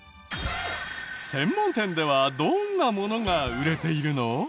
専門店ではどんなものが売れているの？